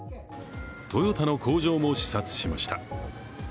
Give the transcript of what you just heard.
トヨタの工場も視察しました。